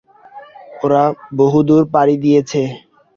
ওরা বহুদূর পাড়ি দিয়েছে।